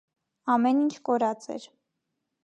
Ամեն ինչ կորած էր։